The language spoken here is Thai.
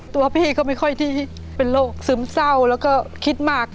ตัวพี่ก็ไม่ค่อยที่เป็นโรคซึมเศร้าแล้วก็คิดมาก